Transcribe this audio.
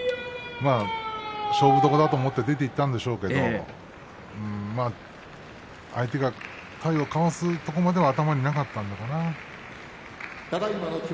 勝負どころだと思って出ていったんでしょうけれども相手が体をかわすところまで頭になかったのかな。